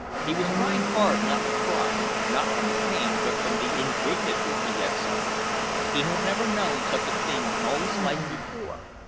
He was trying hard not to cry, not from pain, but from the indignity he had suffered. He had never known such a thing in all his life before.